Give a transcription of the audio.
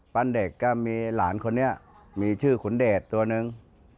เด็กก็มีหลานคนนี้มีชื่อขุนเดชตัวนึง